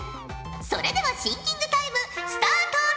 それではシンキングタイムスタート！